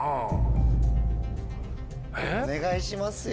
お願いしますよ